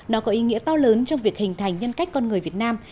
nó có ý nghĩa to lớn trong việc hình thành nhân cách con người việt nam